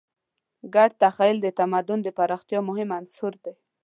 ګډ تخیل د تمدن د پراختیا مهم عنصر دی.